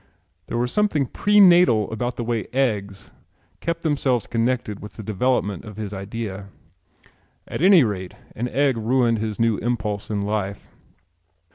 There was something pre natal about the way eggs kept themselves connected with the development of his idea. At any rate an egg ruined his new impulse in life.